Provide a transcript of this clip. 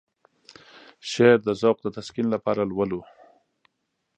شعر د ذوق د تسکين لپاره لولو.